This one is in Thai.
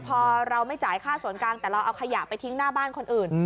พอเราไม่จ่ายค่าส่วนกลางแต่เราเอาขยะไปทิ้งหน้าบ้านคนอื่น